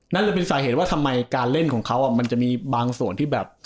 นั่นเลยเป็นสาเหตุว่าทำไมการเล่นของเขามันจะมีบางส่วนที่แบบ